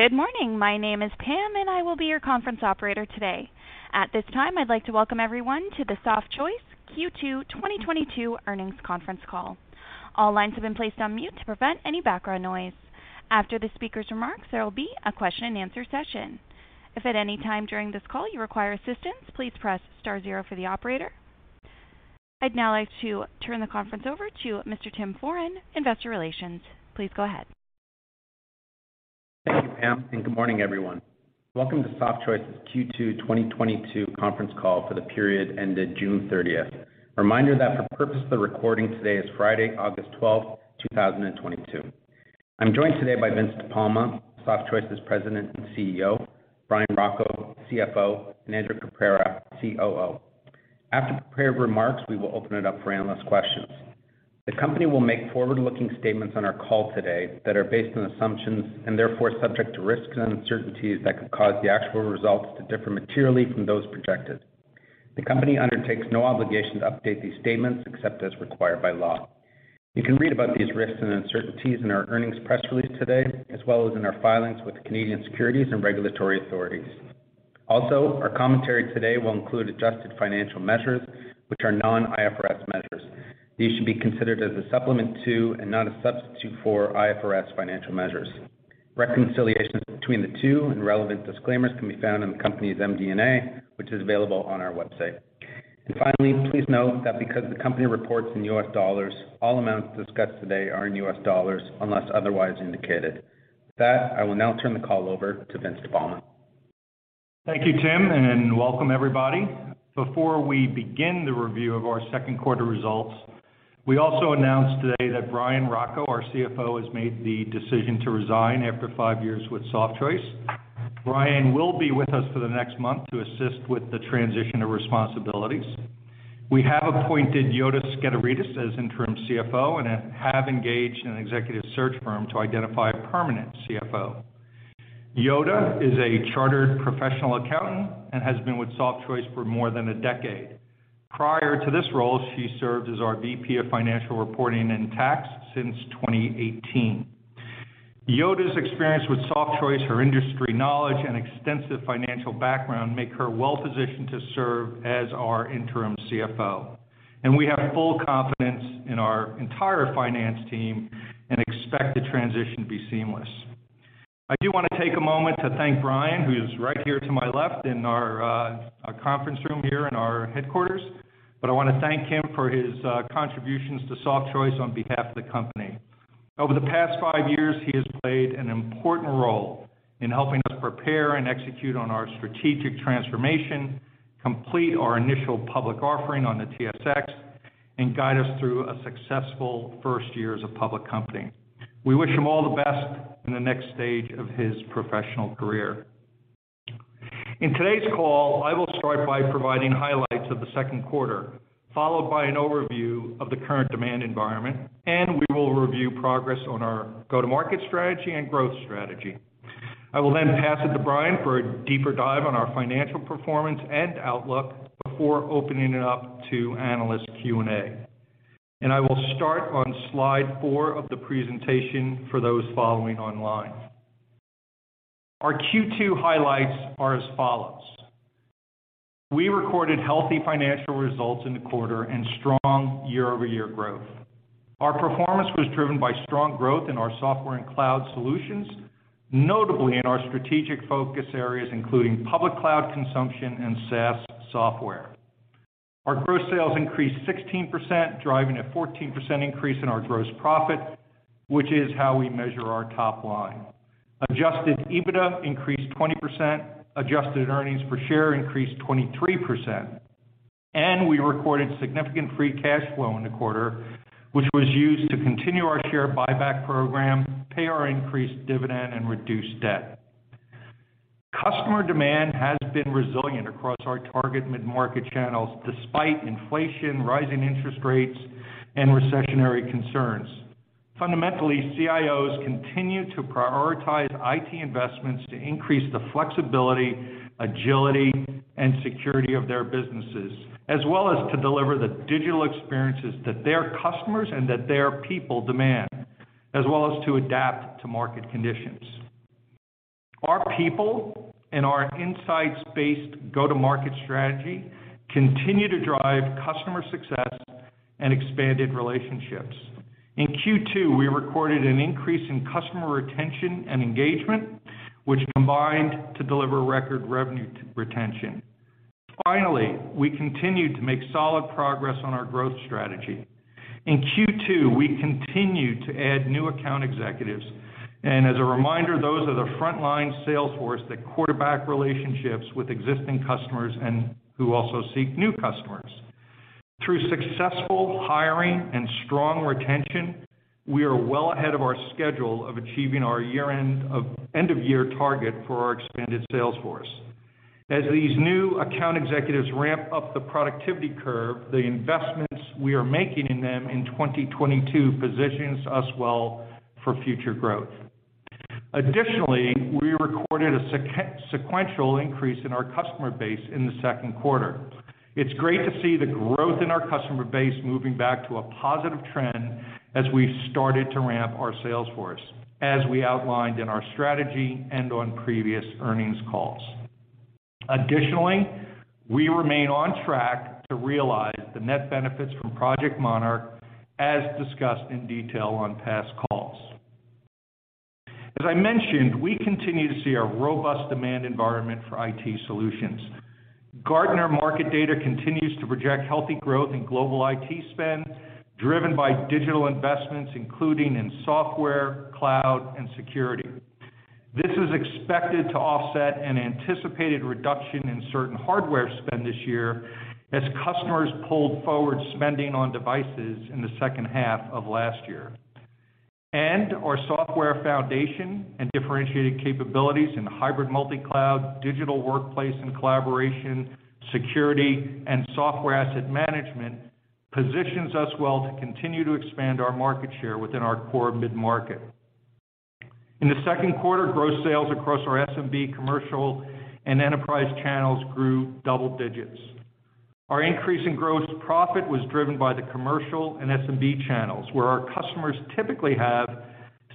Good morning. My name is Pam, and I will be your conference operator today. At this time, I'd like to welcome everyone to the Softchoice Q2 2022 Earnings Conference Call. All lines have been placed on mute to prevent any background noise. After the speaker's remarks, there will be a question-and-answer session. If at any time during this call you require assistance, please press star zero for the operator. I'd now like to turn the conference over to Mr. Tim Foran, Investor Relations. Please go ahead. Thank you, Pam, and good morning, everyone. Welcome to Softchoice's Q2 2022 conference call for the period ended June thirtieth. Reminder that for purpose of the recording, today is Friday, August 12th, 2022. I'm joined today by Vince De Palma, Softchoice's President and CEO, Bryan Rocco, CFO, and Andrew Caprara, COO. After prepared remarks, we will open it up for analyst questions. The company will make forward-looking statements on our call today that are based on assumptions and therefore subject to risks and uncertainties that could cause the actual results to differ materially from those projected. The company undertakes no obligation to update these statements except as required by law. You can read about these risks and uncertainties in our earnings press release today, as well as in our filings with Canadian securities and regulatory authorities. Also, our commentary today will include adjusted financial measures which are non-IFRS measures. These should be considered as a supplement to, and not a substitute for, IFRS financial measures. Reconciliations between the two and relevant disclaimers can be found in the company's MD&A, which is available on our website. Finally, please note that because the company reports in US dollars, all amounts discussed today are in US dollars unless otherwise indicated. With that, I will now turn the call over to Vince De Palma. Thank you, Tim, and welcome everybody. Before we begin the review of our second quarter results, we also announced today that Bryan Rocco, our CFO, has made the decision to resign after five years with Softchoice. Bryan will be with us for the next month to assist with the transition of responsibilities. We have appointed Yota Skederidis as interim CFO and have engaged an executive search firm to identify a permanent CFO. Yota is a chartered professional accountant and has been with Softchoice for more than a decade. Prior to this role, she served as our VP of Financial Reporting and Tax since 2018. Yota's experience with Softchoice, her industry knowledge, and extensive financial background make her well-positioned to serve as our interim CFO. We have full confidence in our entire finance team and expect the transition to be seamless. I do wanna take a moment to thank Bryan, who is right here to my left in our conference room here in our headquarters. I wanna thank him for his contributions to Softchoice on behalf of the company. Over the past five years, he has played an important role in helping us prepare and execute on our strategic transformation, complete our initial public offering on the TSX, and guide us through a successful first year as a public company. We wish him all the best in the next stage of his professional career. In today's call, I will start by providing highlights of the second quarter, followed by an overview of the current demand environment, and we will review progress on our go-to-market strategy and growth strategy. I will then pass it to Bryan for a deeper dive on our financial performance and outlook before opening it up to analyst Q&A. I will start on slide four of the presentation for those following online. Our Q2 highlights are as follows. We recorded healthy financial results in the quarter and strong year-over-year growth. Our performance was driven by strong growth in our software and cloud solutions, notably in our strategic focus areas, including public cloud consumption and SaaS software. Our gross sales increased 16%, driving a 14% increase in our gross profit, which is how we measure our top line. Adjusted EBITDA increased 20%, adjusted earnings per share increased 23%, and we recorded significant free cash flow in the quarter, which was used to continue our share buyback program, pay our increased dividend, and reduce debt. Customer demand has been resilient across our target mid-market channels despite inflation, rising interest rates, and recessionary concerns. Fundamentally, CIOs continue to prioritize IT investments to increase the flexibility, agility, and security of their businesses, as well as to deliver the digital experiences that their customers and that their people demand, as well as to adapt to market conditions. Our people and our insights-based go-to-market strategy continue to drive customer success and expanded relationships. In Q2, we recorded an increase in customer retention and engagement, which combined to deliver record revenue retention. Finally, we continued to make solid progress on our growth strategy. In Q2, we continued to add new account executives. As a reminder, those are the frontline sales force that quarterback relationships with existing customers and who also seek new customers. Through successful hiring and strong retention, we are well ahead of our schedule of achieving our end-of-year target for our expanded sales force. As these new account executives ramp up the productivity curve, the investments we are making in them in 2022 positions us well for future growth. Additionally, we recorded a sequential increase in our customer base in the second quarter. It's great to see the growth in our customer base moving back to a positive trend as we started to ramp our sales force, as we outlined in our strategy and on previous earnings calls. Additionally, we remain on track to realize the net benefits from Project Monarch as discussed in detail on past calls. As I mentioned, we continue to see a robust demand environment for IT solutions. Gartner market data continues to project healthy growth in global IT spend, driven by digital investments, including in software, cloud, and security. This is expected to offset an anticipated reduction in certain hardware spend this year as customers pulled forward spending on devices in the second half of last year. Our software foundation and differentiated capabilities in hybrid multi-cloud, digital workplace and collaboration, security, and software asset management positions us well to continue to expand our market share within our core mid-market. In the second quarter, gross sales across our SMB commercial and enterprise channels grew double digits. Our increase in gross profit was driven by the commercial and SMB channels, where our customers typically have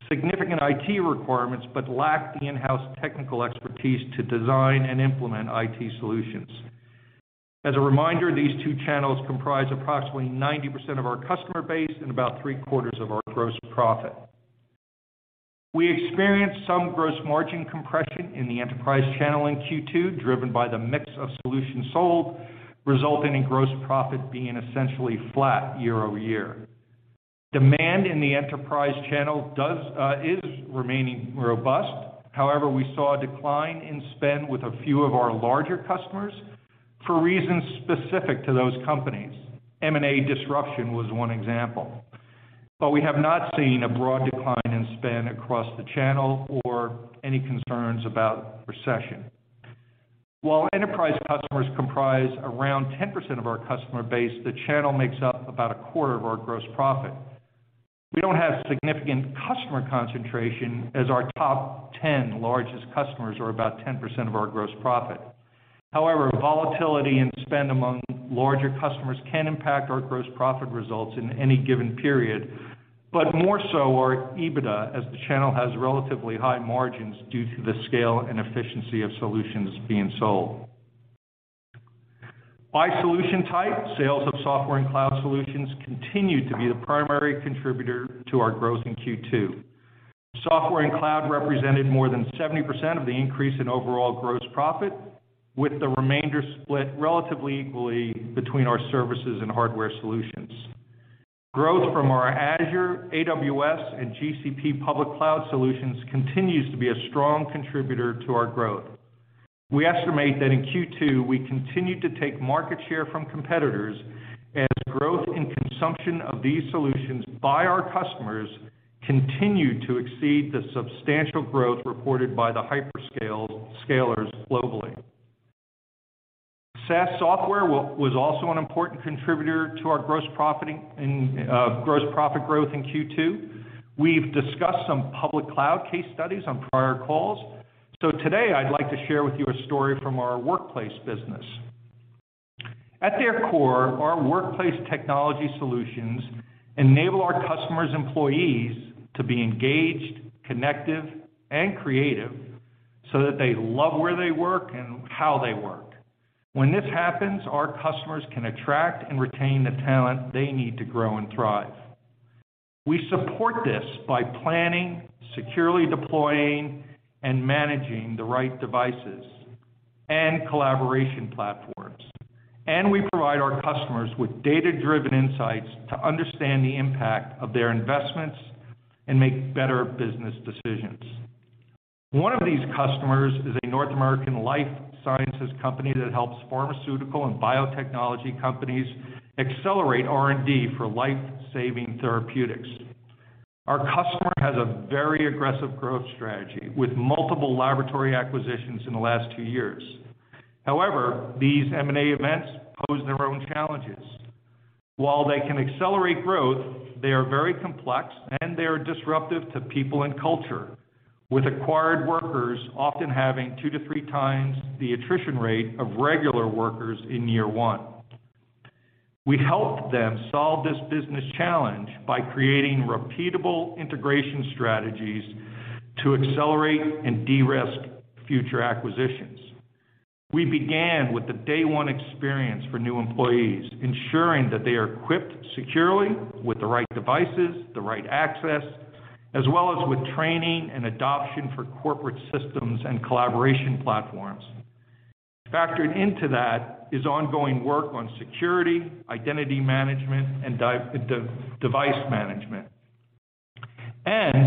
significant IT requirements but lack the in-house technical expertise to design and implement IT solutions. As a reminder, these two channels comprise approximately 90% of our customer base and about three-quarters of our gross profit. We experienced some gross margin compression in the enterprise channel in Q2, driven by the mix of solutions sold, resulting in gross profit being essentially flat year-over-year. Demand in the enterprise channel is remaining robust. However, we saw a decline in spend with a few of our larger customers for reasons specific to those companies. M&A disruption was one example. We have not seen a broad decline in spend across the channel or any concerns about recession. While enterprise customers comprise around 10% of our customer base, the channel makes up about a quarter of our gross profit. We don't have significant customer concentration as our top 10 largest customers are about 10% of our gross profit. However, volatility in spend among larger customers can impact our gross profit results in any given period, but more so our EBITDA, as the channel has relatively high margins due to the scale and efficiency of solutions being sold. By solution type, sales of software and cloud solutions continued to be the primary contributor to our growth in Q2. Software and cloud represented more than 70% of the increase in overall gross profit, with the remainder split relatively equally between our services and hardware solutions. Growth from our Azure, AWS, and GCP public cloud solutions continues to be a strong contributor to our growth. We estimate that in Q2, we continued to take market share from competitors as growth in consumption of these solutions by our customers continued to exceed the substantial growth reported by the hyperscalers globally. SaaS software was also an important contributor to our gross profit growth in Q2. We've discussed some public cloud case studies on prior calls. Today, I'd like to share with you a story from our workplace business. At their core, our workplace technology solutions enable our customers' employees to be engaged, connected, and creative so that they love where they work and how they work. When this happens, our customers can attract and retain the talent they need to grow and thrive. We support this by planning, securely deploying, and managing the right devices and collaboration platforms. We provide our customers with data-driven insights to understand the impact of their investments and make better business decisions. One of these customers is a North American life sciences company that helps pharmaceutical and biotechnology companies accelerate R&D for life-saving therapeutics. Our customer has a very aggressive growth strategy, with multiple laboratory acquisitions in the last two years. However, these M&A events pose their own challenges. While they can accelerate growth, they are very complex, and they are disruptive to people and culture, with acquired workers often having two to three times the attrition rate of regular workers in year one. We helped them solve this business challenge by creating repeatable integration strategies to accelerate and de-risk future acquisitions. We began with the day one experience for new employees, ensuring that they are equipped securely with the right devices, the right access, as well as with training and adoption for corporate systems and collaboration platforms. Factored into that is ongoing work on security, identity management, and device management.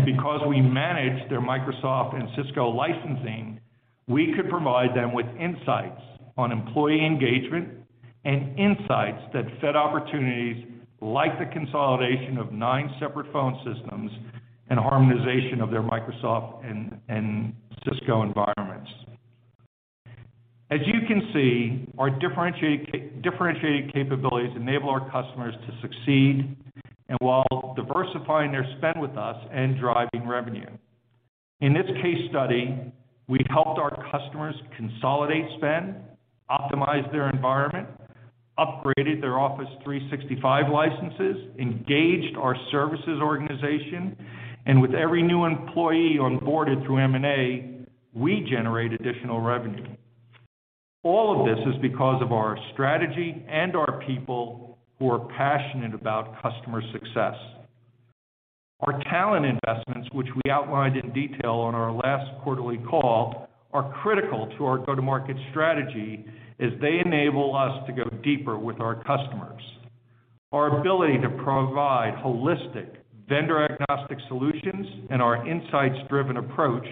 Because we manage their Microsoft and Cisco licensing, we could provide them with insights on employee engagement and insights that fed opportunities like the consolidation of 9 separate phone systems and harmonization of their Microsoft and Cisco environments. As you can see, our differentiated capabilities enable our customers to succeed while diversifying their spend with us and driving revenue. In this case study, we helped our customers consolidate spend, optimize their environment, upgraded their Office 365 licenses, engaged our services organization, and with every new employee onboarded through M&A, we generate additional revenue. All of this is because of our strategy and our people who are passionate about customer success. Our talent investments, which we outlined in detail on our last quarterly call, are critical to our go-to-market strategy as they enable us to go deeper with our customers. Our ability to provide holistic vendor-agnostic solutions and our insights-driven approach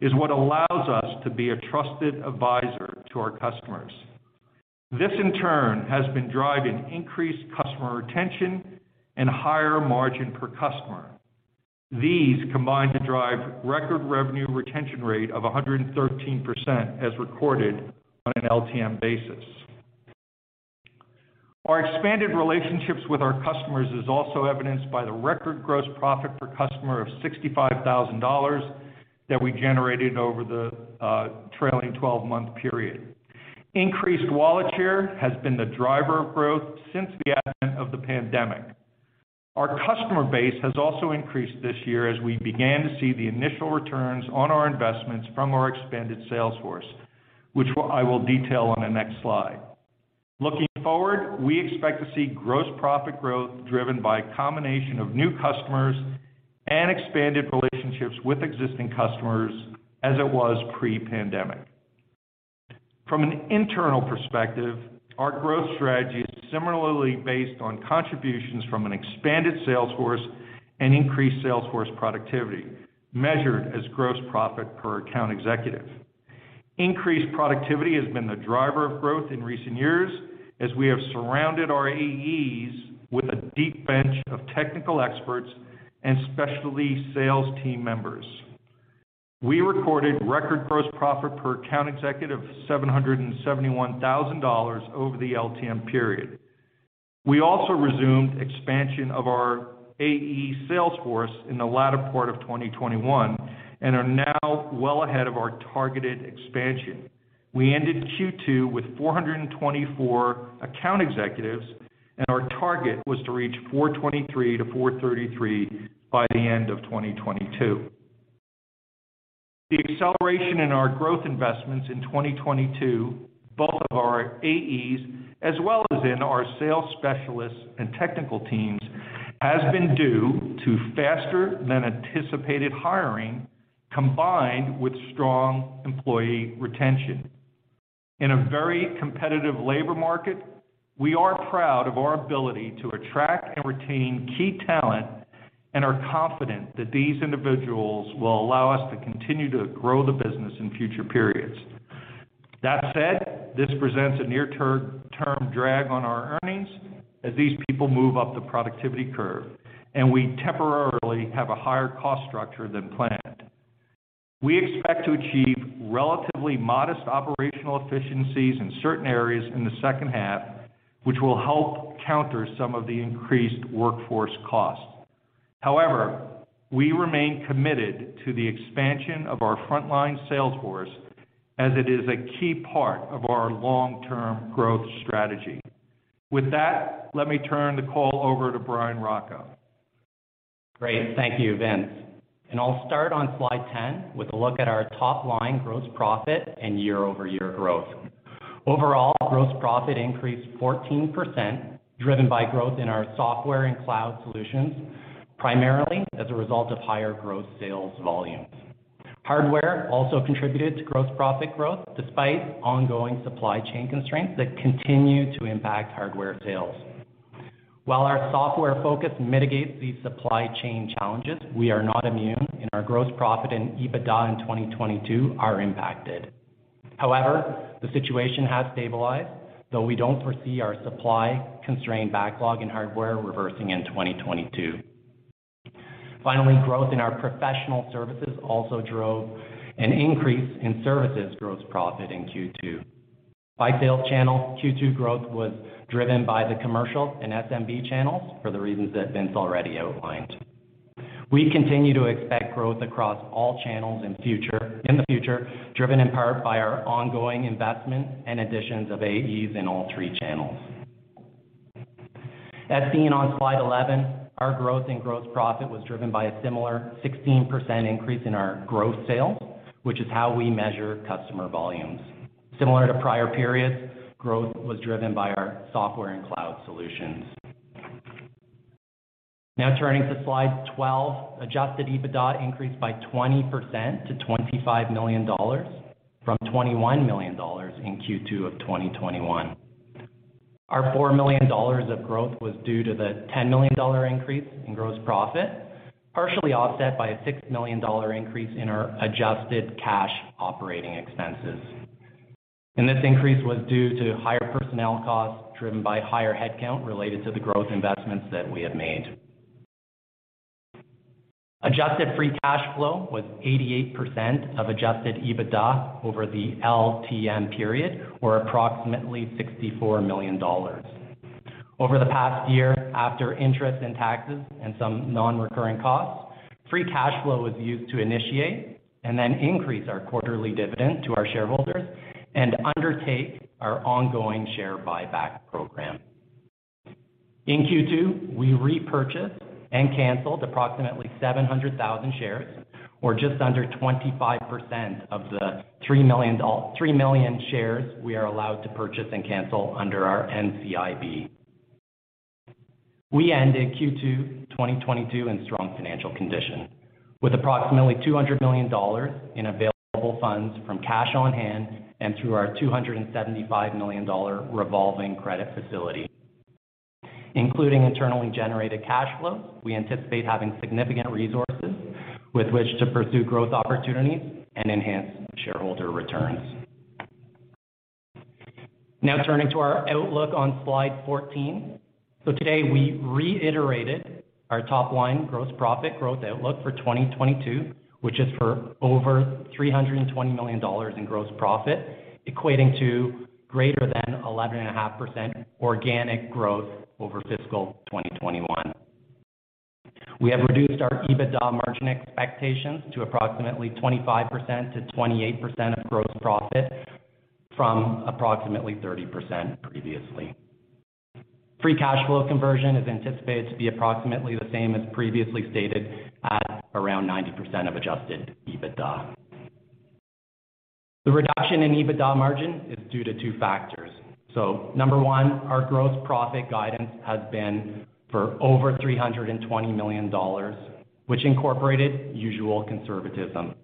is what allows us to be a trusted advisor to our customers. This, in turn, has been driving increased customer retention and higher margin per customer. These combine to drive record revenue retention rate of 113% as recorded on an LTM basis. Our expanded relationships with our customers is also evidenced by the record gross profit per customer of $65,000 that we generated over the trailing twelve-month period. Increased wallet share has been the driver of growth since the advent of the pandemic. Our customer base has also increased this year as we began to see the initial returns on our investments from our expanded sales force, which I will detail on the next slide. Looking forward, we expect to see gross profit growth driven by a combination of new customers and expanded relationships with existing customers as it was pre-pandemic. From an internal perspective, our growth strategy is similarly based on contributions from an expanded sales force and increased sales force productivity, measured as gross profit per account executive. Increased productivity has been the driver of growth in recent years as we have surrounded our AEs with a deep bench of technical experts and specialty sales team members. We recorded record gross profit per account executive of $771,000 over the LTM period. We also resumed expansion of our AE sales force in the latter part of 2021 and are now well ahead of our targeted expansion. We ended Q2 with 424 account executives, and our target was to reach 423-433 by the end of 2022. The acceleration in our growth investments in 2022, both of our AEs as well as in our sales specialists and technical teams, has been due to faster than anticipated hiring, combined with strong employee retention. In a very competitive labor market, we are proud of our ability to attract and retain key talent and are confident that these individuals will allow us to continue to grow the business in future periods. That said, this presents a near-term drag on our earnings as these people move up the productivity curve, and we temporarily have a higher cost structure than planned. We expect to achieve relatively modest operational efficiencies in certain areas in the second half, which will help counter some of the increased workforce costs. However, we remain committed to the expansion of our frontline sales force as it is a key part of our long-term growth strategy. With that, let me turn the call over to Bryan Rocco. Great. Thank you, Vince. I'll start on slide 10 with a look at our top-line gross profit and year-over-year growth. Overall, gross profit increased 14%, driven by growth in our software and cloud solutions, primarily as a result of higher gross sales volumes. Hardware also contributed to gross profit growth, despite ongoing supply chain constraints that continue to impact hardware sales. While our software focus mitigates these supply chain challenges, we are not immune, and our gross profit and EBITDA in 2022 are impacted. However, the situation has stabilized, though we don't foresee our supply-constrained backlog in hardware reversing in 2022. Finally, growth in our professional services also drove an increase in services gross profit in Q2. By sales channel, Q2 growth was driven by the commercial and SMB channels for the reasons that Vince already outlined. We continue to expect growth across all channels in the future, driven in part by our ongoing investments and additions of AEs in all three channels. As seen on slide 11, our growth in gross profit was driven by a similar 16% increase in our gross sales, which is how we measure customer volumes. Similar to prior periods, growth was driven by our software and cloud solutions. Now turning to slide 12, adjusted EBITDA increased by 20% to $25 million from $21 million in Q2 of 2021. Our $4 million of growth was due to the $10 million dollar increase in gross profit, partially offset by a $6 million dollar increase in our adjusted cash operating expenses. This increase was due to higher personnel costs driven by higher headcount related to the growth investments that we have made. Adjusted free cash flow was 88% of adjusted EBITDA over the LTM period, or approximately $64 million. Over the past year, after interest and taxes and some non-recurring costs, free cash flow was used to initiate and then increase our quarterly dividend to our shareholders and undertake our ongoing share buyback program. In Q2, we repurchased and canceled approximately 700,000 shares, or just under 25% of the 3 million shares we are allowed to purchase and cancel under our NCIB. We ended Q2 2022 in strong financial condition, with approximately $200 million in available funds from cash on hand and through our $275 million revolving credit facility. Including internally generated cash flows, we anticipate having significant resources with which to pursue growth opportunities and enhance shareholder returns. Now turning to our outlook on slide 14. Today we reiterated our top line gross profit growth outlook for 2022, which is for over $320 million in gross profit, equating to greater than 11.5% organic growth over fiscal 2021. We have reduced our EBITDA margin expectations to approximately 25%-28% of gross profit from approximately 30% previously. Free cash flow conversion is anticipated to be approximately the same as previously stated at around 90% of adjusted EBITDA. The reduction in EBITDA margin is due to two factors. Number one, our gross profit guidance has been for over $320 million, which incorporated usual conservatism.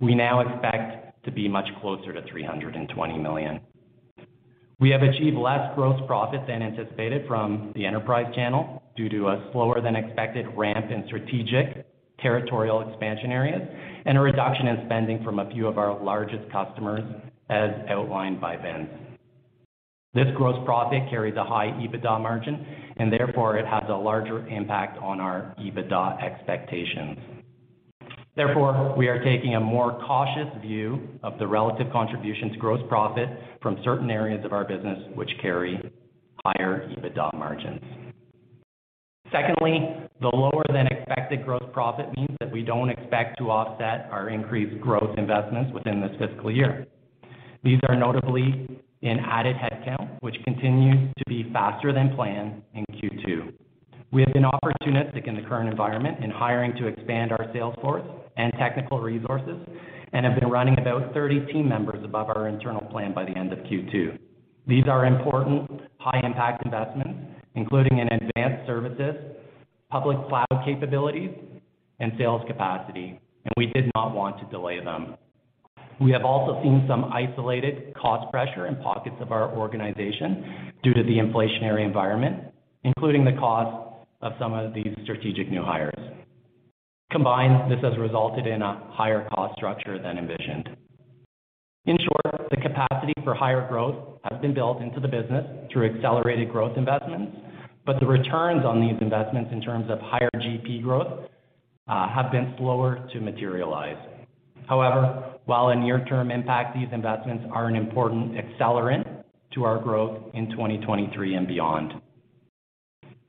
We now expect to be much closer to $320 million. We have achieved less gross profit than anticipated from the enterprise channel due to a slower than expected ramp in strategic territorial expansion areas and a reduction in spending from a few of our largest customers, as outlined by Vince. This gross profit carries a high EBITDA margin and therefore it has a larger impact on our EBITDA expectations. Therefore, we are taking a more cautious view of the relative contribution to gross profit from certain areas of our business which carry higher EBITDA margins. Secondly, the lower than expected gross profit means that we don't expect to offset our increased growth investments within this fiscal year. These are notably in added headcount, which continues to be faster than planned in Q2. We have been opportunistic in the current environment in hiring to expand our sales force and technical resources and have been running about 30 team members above our internal plan by the end of Q2. These are important high impact investments, including in advanced services, public cloud capabilities and sales capacity, and we did not want to delay them. We have also seen some isolated cost pressure in pockets of our organization due to the inflationary environment, including the cost of some of these strategic new hires. Combined, this has resulted in a higher cost structure than envisioned. In short, the capacity for higher growth has been built into the business through accelerated growth investments. The returns on these investments in terms of higher GP growth have been slower to materialize. However, while a near-term impact, these investments are an important accelerant to our growth in 2023 and beyond.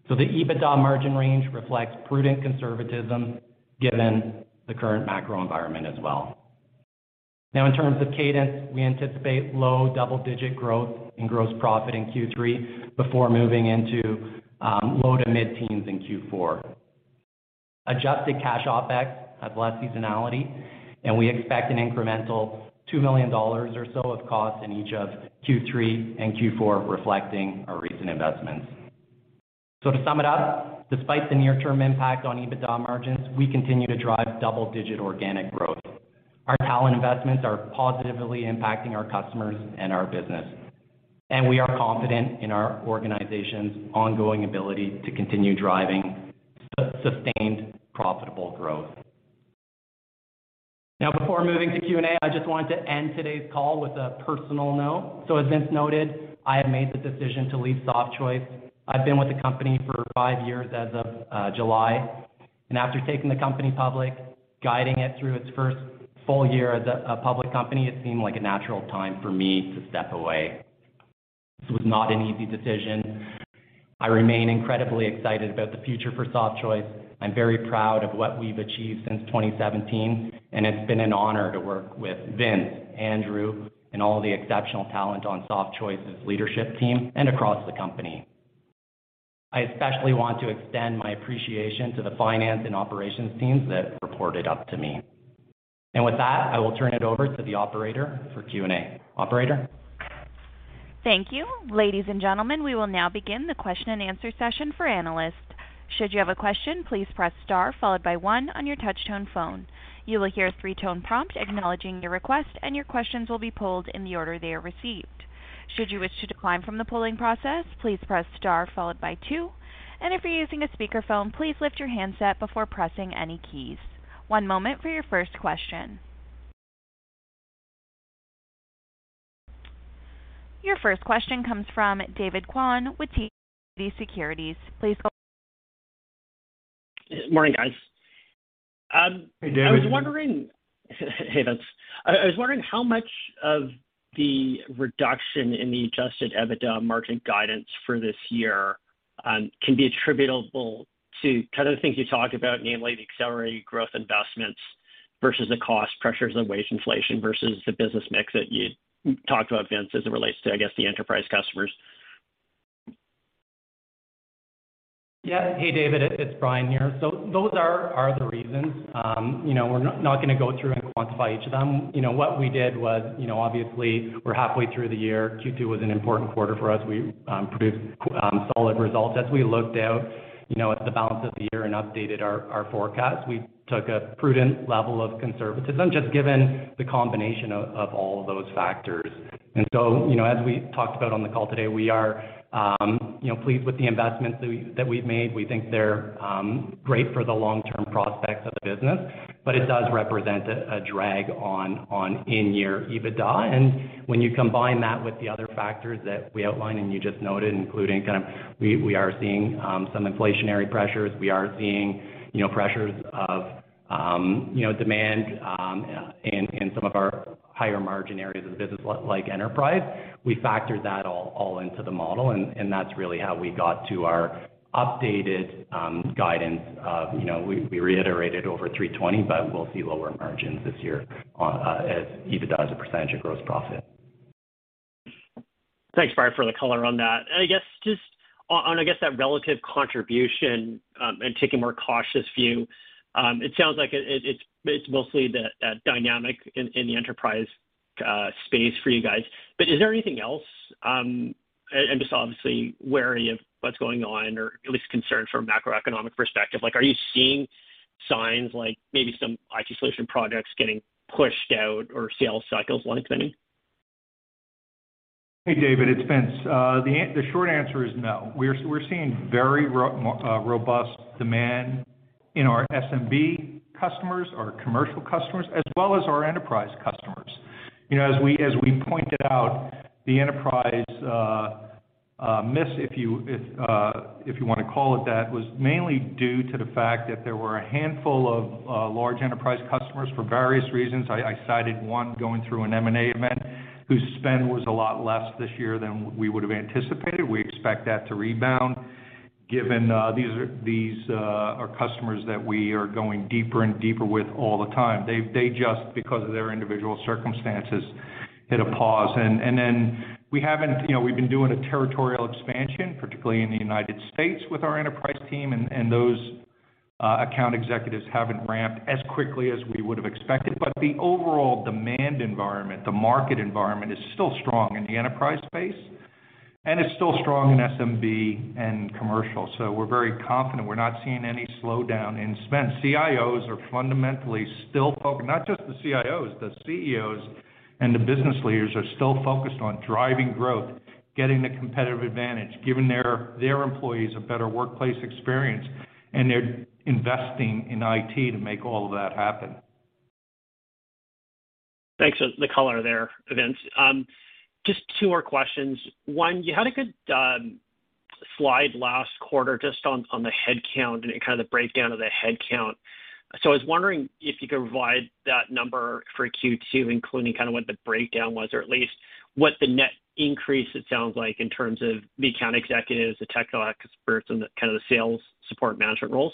The EBITDA margin range reflects prudent conservatism given the current macro environment as well. Now in terms of cadence, we anticipate low double-digit growth in gross profit in Q3 before moving into low to mid-teens in Q4. Adjusted cash OpEx has less seasonality, and we expect an incremental $2 million or so of cost in each of Q3 and Q4, reflecting our recent investments. To sum it up, despite the near-term impact on EBITDA margins, we continue to drive double-digit organic growth. Our talent investments are positively impacting our customers and our business. We are confident in our organization's ongoing ability to continue driving sustained profitable growth. Now, before moving to Q&A, I just wanted to end today's call with a personal note. As Vince noted, I have made the decision to leave Softchoice. I've been with the company for five years as of July. After taking the company public, guiding it through its first full year as a public company, it seemed like a natural time for me to step away. This was not an easy decision. I remain incredibly excited about the future for Softchoice. I'm very proud of what we've achieved since 2017, and it's been an honor to work with Vince, Andrew, and all the exceptional talent on Softchoice's leadership team and across the company. I especially want to extend my appreciation to the finance and operations teams that reported up to me. With that, I will turn it over to the operator for Q&A. Operator? Thank you. Ladies and gentlemen, we will now begin the question and answer session for analysts. Should you have a question, please press star followed by one on your touch-tone phone. You will hear a three-tone prompt acknowledging your request, and your questions will be pulled in the order they are received. Should you wish to decline from the polling process, please press star followed by two. If you're using a speakerphone, please lift your handset before pressing any keys. One moment for your first question. Your first question comes from David Kwan with TD Securities. Please go ahead. Morning, guys. Hey, David. Hey, Vince. I was wondering how much of the reduction in the adjusted EBITDA margin guidance for this year can be attributable to kind of the things you talked about, namely the accelerated growth investments versus the cost pressures of wage inflation versus the business mix that you talked about, Vince, as it relates to, I guess, the enterprise customers? Yeah. Hey, David, it's Bryan here. So those are the reasons. You know, we're not gonna go through and quantify each of them. You know, what we did was, you know, obviously we're halfway through the year. Q2 was an important quarter for us. We produced solid results. As we looked out, you know, at the balance of the year and updated our forecast, we took a prudent level of conservatism, just given the combination of all of those factors. You know, as we talked about on the call today, we are pleased with the investments that we've made. We think they're great for the long-term prospects of the business, but it does represent a drag on in-year EBITDA. When you combine that with the other factors that we outlined and you just noted, including we are seeing some inflationary pressures, we are seeing you know pressures on demand in some of our higher margin areas of the business like enterprise. We factored that all into the model, and that's really how we got to our updated guidance of you know we reiterated over $320, but we'll see lower margins this year on adjusted EBITDA as a percentage of gross profit. Thanks, Bryan, for the color on that. I guess just on that relative contribution and taking a more cautious view, it sounds like it's mostly that dynamic in the enterprise space for you guys. But is there anything else and just obviously wary of what's going on or at least concerned from a macroeconomic perspective? Like, are you seeing signs like maybe some IT solution projects getting pushed out or sales cycles lengthening? Hey, David, it's Vince. The short answer is no. We're seeing very robust demand in our SMB customers, our commercial customers, as well as our enterprise customers. You know, as we pointed out, the enterprise miss, if you wanna call it that, was mainly due to the fact that there were a handful of large enterprise customers for various reasons. I cited one going through an M&A event whose spend was a lot less this year than we would've anticipated. We expect that to rebound given these are customers that we are going deeper and deeper with all the time. They just, because of their individual circumstances, hit a pause. We haven't, you know, we've been doing a territorial expansion, particularly in the United States with our enterprise team, and those account executives haven't ramped as quickly as we would've expected. The overall demand environment, the market environment is still strong in the enterprise space, and it's still strong in SMB and commercial. We're very confident. We're not seeing any slowdown in spend. CIOs are fundamentally still not just the CIOs, the CEOs and the business leaders are still focused on driving growth, getting the competitive advantage, giving their employees a better workplace experience, and they're investing in IT to make all of that happen. Thanks for the color there, Vince. Just two more questions. One, you had a good slide last quarter just on the headcount and kind of the breakdown of the headcount. I was wondering if you could provide that number for Q2, including kind of what the breakdown was, or at least what the net increase it sounds like in terms of the account executives, the technical experts, and the kind of the sales support management roles.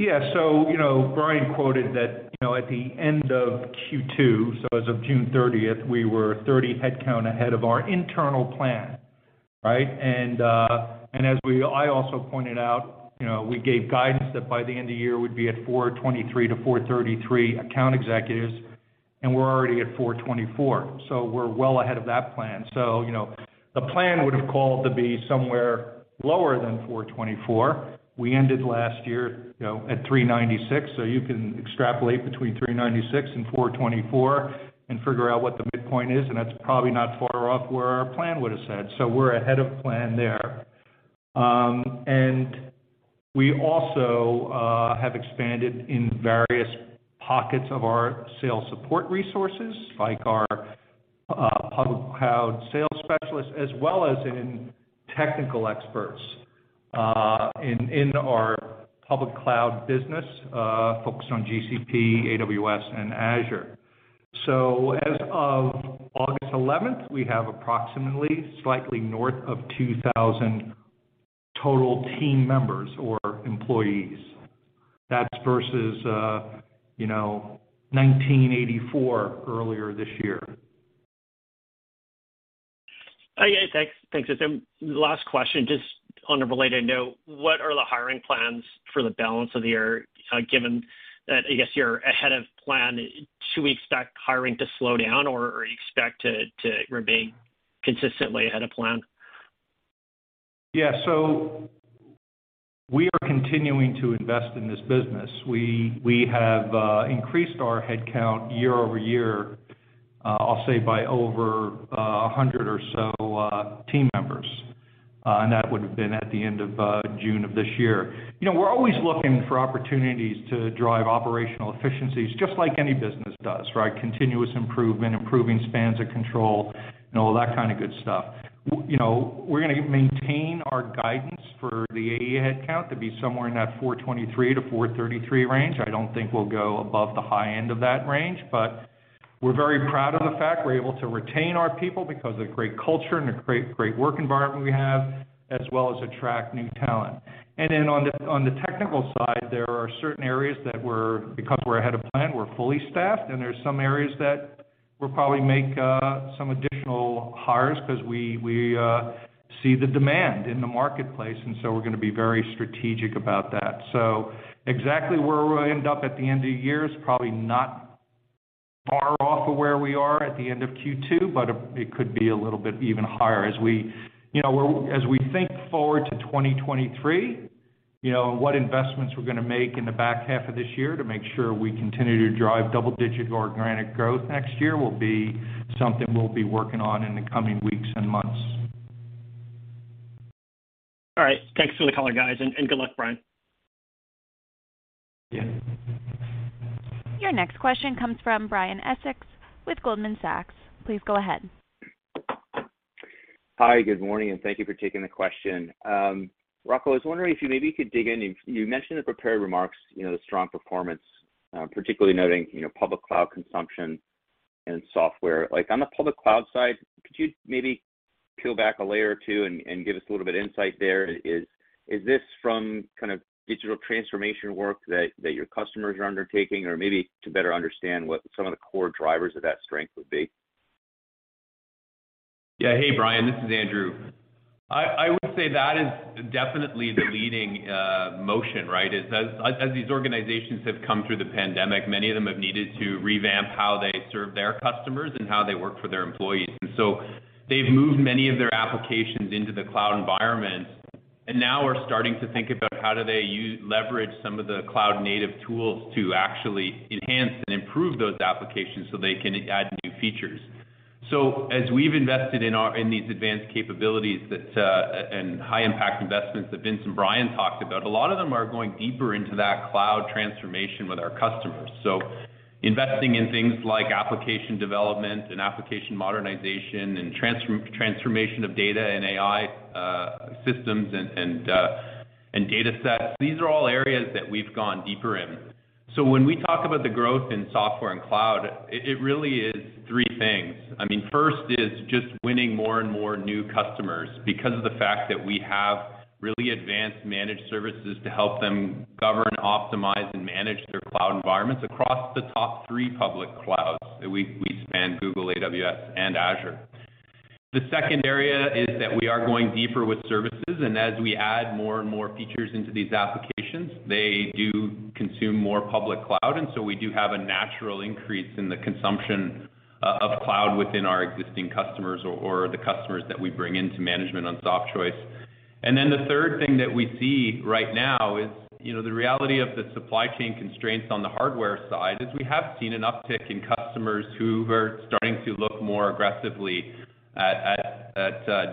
Yeah, you know, Bryan quoted that, you know, at the end of Q2, so as of June 30th, we were 30 headcount ahead of our internal plan, right? I also pointed out, you know, we gave guidance that by the end of year we'd be at 423-433 account executives, and we're already at 424. We're well ahead of that plan. You know, the plan would have called to be somewhere lower than 424. We ended last year, you know, at 396, so you can extrapolate between 396 and 424 and figure out what the midpoint is, and that's probably not far off where our plan would have said. We're ahead of plan there. We also have expanded in various pockets of our sales support resources, like our public cloud sales specialists, as well as in technical experts in our public cloud business focused on GCP, AWS, and Azure. As of August eleventh, we have approximately slightly north of 2,000 total team members or employees. That's versus, you know, 1,984 earlier this year. Yeah. Thanks. Last question, just on a related note, what are the hiring plans for the balance of the year, given that I guess you're ahead of plan? Should we expect hiring to slow down, or you expect to remain consistently ahead of plan? Yeah. We are continuing to invest in this business. We have increased our headcount year-over-year. I'll say by over 100 or so team members. That would have been at the end of June of this year. You know, we're always looking for opportunities to drive operational efficiencies just like any business does, right? Continuous improvement, improving spans of control and all that kind of good stuff. You know, we're gonna maintain our guidance for the AE headcount to be somewhere in that 423-433 range. I don't think we'll go above the high end of that range, but we're very proud of the fact we're able to retain our people because of the great culture and the great work environment we have, as well as attract new talent. On the technical side, there are certain areas because we're ahead of plan, we're fully staffed, and there are some areas that we'll probably make some additional hires 'cause we see the demand in the marketplace, and so we're gonna be very strategic about that. Exactly where we'll end up at the end of the year is probably not far off of where we are at the end of Q2, but it could be a little bit even higher. As we think forward to 2023, you know, and what investments we're gonna make in the back half of this year to make sure we continue to drive double-digit organic growth next year will be something we'll be working on in the coming weeks and months. All right. Thanks for the color, guys, and good luck, Bryan. Yeah. Your next question comes from Brian Essex with Goldman Sachs. Please go ahead. Hi, good morning, and thank you for taking the question. Rocco, I was wondering if you maybe could dig in. You mentioned the prepared remarks, you know, the strong performance, particularly noting, you know, public cloud consumption and software. Like, on the public cloud side, could you maybe peel back a layer or two and give us a little bit of insight there? Is this from kind of digital transformation work that your customers are undertaking, or maybe to better understand what some of the core drivers of that strength would be? Yeah. Hey, Brian, this is Andrew. I would say that is definitely the leading motion, right? As these organizations have come through the pandemic, many of them have needed to revamp how they serve their customers and how they work for their employees. They've moved many of their applications into the cloud environment, and now are starting to think about how they leverage some of the cloud-native tools to actually enhance and improve those applications, so they can add new features. As we've invested in these advanced capabilities and high-impact investments that Vince and Bryan talked about, a lot of them are going deeper into that cloud transformation with our customers. Investing in things like application development and application modernization and transformation of data and AI systems and datasets, these are all areas that we've gone deeper in. When we talk about the growth in software and cloud, it really is three things. I mean, first is just winning more and more new customers because of the fact that we have really advanced managed services to help them govern, optimize, and manage their cloud environments across the top three public clouds that we span Google, AWS, and Azure. The second area is that we are going deeper with services, and as we add more and more features into these applications, they do consume more public cloud. We do have a natural increase in the consumption of cloud within our existing customers or the customers that we bring into management on Softchoice. The third thing that we see right now is, you know, the reality of the supply chain constraints on the hardware side. We have seen an uptick in customers who are starting to look more aggressively at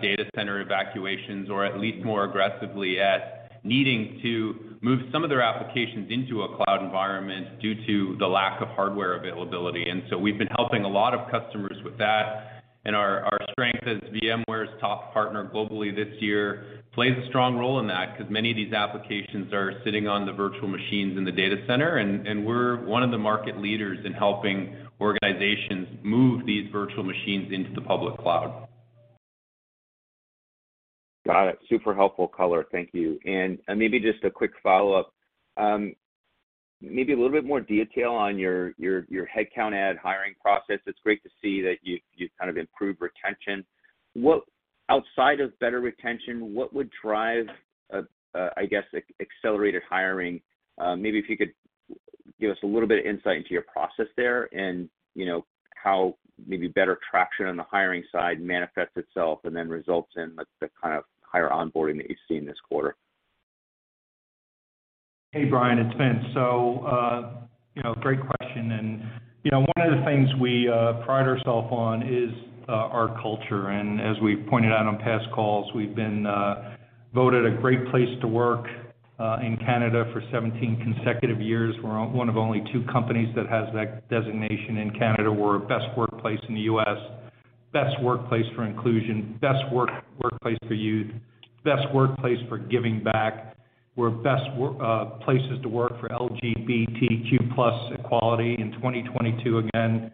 data center evacuations, or at least more aggressively at needing to move some of their applications into a cloud environment due to the lack of hardware availability. We've been helping a lot of customers with that, and our strength as VMware's top partner globally this year plays a strong role in that because many of these applications are sitting on the virtual machines in the data center, and we're one of the market leaders in helping organizations move these virtual machines into the public cloud. Got it. Super helpful color. Thank you. Maybe just a quick follow-up. Maybe a little bit more detail on your headcount and hiring process. It's great to see that you've kind of improved retention. Outside of better retention, what would drive accelerated hiring? Maybe if you could give us a little bit of insight into your process there and, you know, how maybe better traction on the hiring side manifests itself and then results in the kind of higher onboarding that you've seen this quarter. Hey, Brian, it's Vince. You know, great question. You know, one of the things we pride ourself on is our culture. As we pointed out on past calls, we've been voted a great place to work in Canada for 17 consecutive years. We're one of only two companies that has that designation in Canada. We're a best workplace in the US, best workplace for inclusion, best workplace for youth, best workplace for giving back. We're best workplaces to work for LGBTQ+ equality in 2022 again.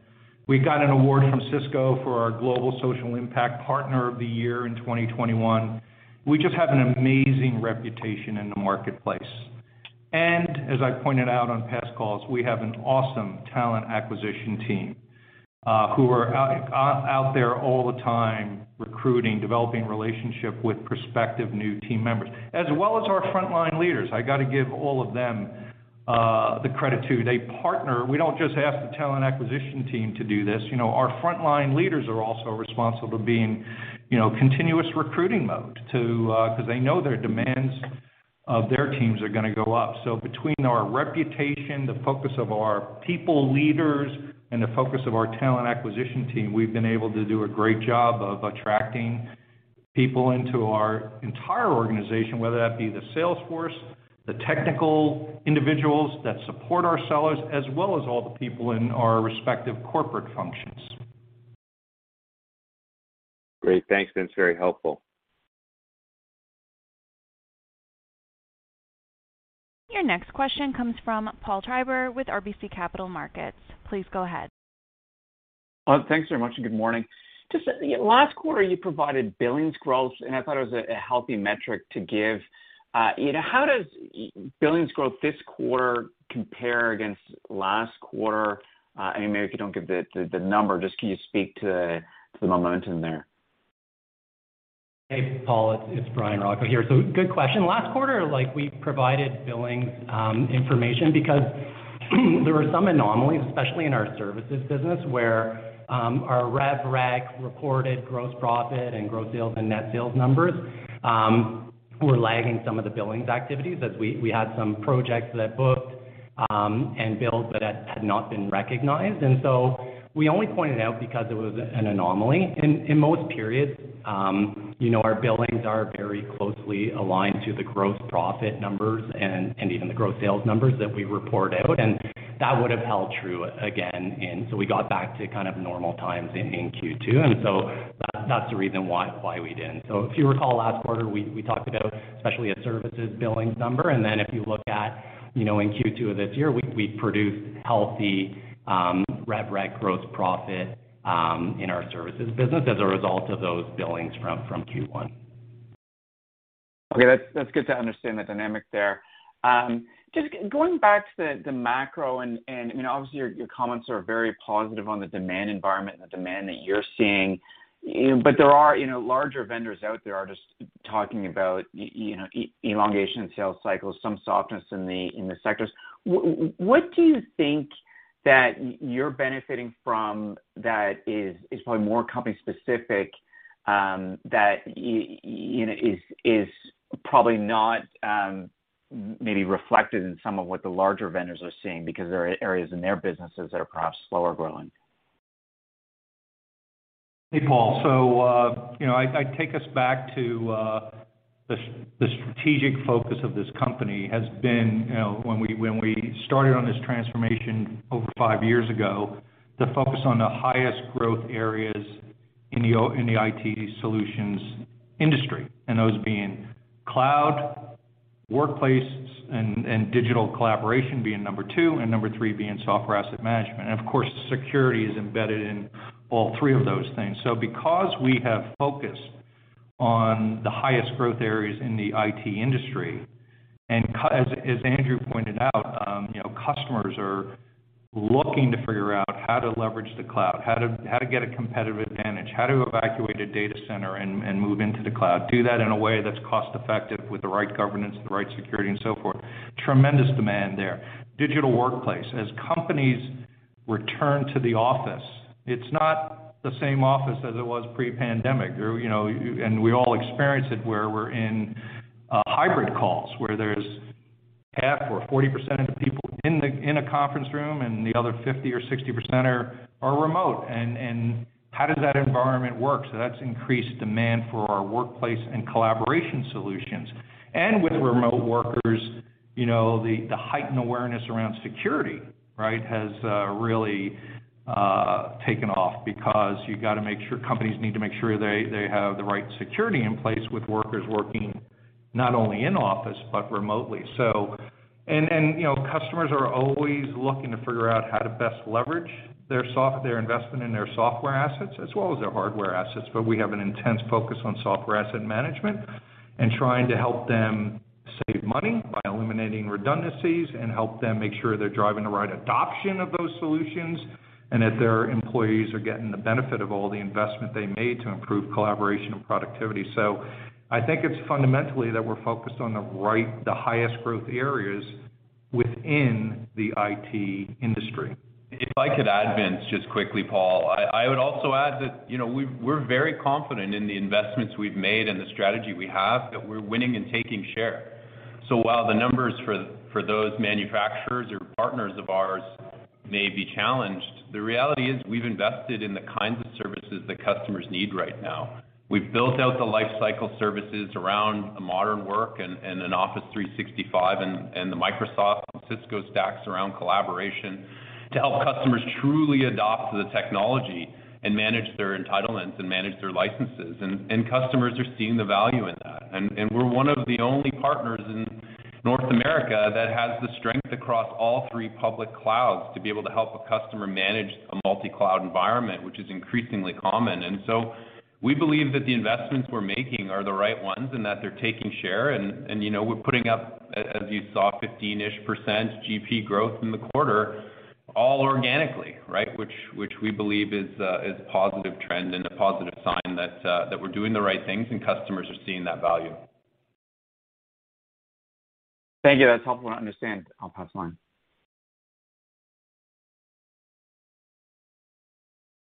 We got an award from Cisco for our global social impact partner of the year in 2021. We just have an amazing reputation in the marketplace. As I pointed out on past calls, we have an awesome talent acquisition team, who are out there all the time recruiting, developing relationship with prospective new team members, as well as our frontline leaders. I got to give all of them, the credit to. We don't just ask the talent acquisition team to do this. You know, our frontline leaders are also responsible to be in, you know, continuous recruiting mode to, 'cause they know their demands of their teams are gonna go up. Between our reputation, the focus of our people leaders, and the focus of our talent acquisition team, we've been able to do a great job of attracting people into our entire organization, whether that be the sales force, the technical individuals that support our sellers, as well as all the people in our respective corporate functions. Great. Thanks. That's very helpful. Your next question comes from Paul Treiber with RBC Capital Markets. Please go ahead. Thanks very much, and good morning. Just, yeah, last quarter you provided billings growth, and I thought it was a healthy metric to give. You know, how does billings growth this quarter compare against last quarter? Maybe if you don't give the number, just can you speak to the momentum there? Hey, Paul, it's Bryan Rocco here. Good question. Last quarter, like, we provided billing information because there were some anomalies, especially in our services business, where our rev rec reported gross profit and gross sales and net sales numbers were lagging some of the billings activities as we had some projects that booked and billed but had not been recognized. We only pointed it out because it was an anomaly. In most periods, you know, our billings are very closely aligned to the gross profit numbers and even the gross sales numbers that we report out, and that would've held true again. We got back to kind of normal times in Q2, and that's the reason why we didn't. If you recall last quarter, we talked about especially a services billings number, and then if you look at, you know, in Q2 of this year, we produced healthy rev rec gross profit in our services business as a result of those billings from Q1. Okay. That's good to understand the dynamic there. Just going back to the macro and, you know, obviously your comments are very positive on the demand environment and the demand that you're seeing. There are larger vendors out there that are just talking about elongation sales cycles, some softness in the sectors. What do you think that you're benefiting from that is probably more company specific, that is probably not maybe reflected in some of what the larger vendors are seeing because there are areas in their businesses that are perhaps slower growing? Hey, Paul. You know, I take us back to the strategic focus of this company has been, you know, when we started on this transformation over five years ago, the focus on the highest growth areas in the IT solutions industry, and those being cloud, workplace, and digital collaboration being number two, and number three being software asset management. Of course, security is embedded in all three of those things. Because we have focused on the highest growth areas in the IT industry, and as Andrew pointed out, you know, customers are looking to figure out how to leverage the cloud, how to get a competitive advantage, how to evacuate a data center and move into the cloud, do that in a way that's cost effective with the right governance, the right security and so forth. Tremendous demand there. Digital workplace. As companies return to the office, it's not the same office as it was pre-pandemic. You know, and we all experience it where we're in hybrid calls, where there's half or 40% of the people in a conference room and the other 50 or 60% are remote. How does that environment work? That's increased demand for our workplace and collaboration solutions. With remote workers, you know, the heightened awareness around security, right? Has really taken off because companies need to make sure they have the right security in place with workers working not only in office, but remotely. You know, customers are always looking to figure out how to best leverage their investment in their software assets as well as their hardware assets, but we have an intense focus on software asset management and trying to help them save money by eliminating redundancies and help them make sure they're driving the right adoption of those solutions and that their employees are getting the benefit of all the investment they made to improve collaboration and productivity. I think it's fundamentally that we're focused on the highest growth areas within the IT industry. If I could add, Vince, just quickly, Paul. I would also add that, you know, we're very confident in the investments we've made and the strategy we have, that we're winning and taking share. So while the numbers for those manufacturers or partners of ours may be challenged, the reality is we've invested in the kinds of services that customers need right now. We've built out the lifecycle services around modern work and an Office 365 and the Microsoft Cisco stacks around collaboration to help customers truly adopt the technology and manage their entitlements and manage their licenses and customers are seeing the value in that. We're one of the only partners in North America that has the strength across all three public clouds to be able to help a customer manage a multi-cloud environment, which is increasingly common. We believe that the investments we're making are the right ones and that they're taking share. You know, we're putting up, as you saw, 15-ish% GP growth in the quarter, all organically, right? Which we believe is a positive trend and a positive sign that that we're doing the right things and customers are seeing that value. Thank you. That's helpful to understand. I'll pass the line.